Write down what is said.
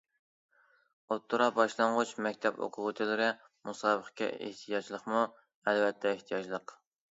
ئوتتۇرا- باشلانغۇچ مەكتەپ ئوقۇغۇچىلىرى مۇسابىقىگە ئېھتىياجلىقمۇ؟ ئەلۋەتتە ئېھتىياجلىق.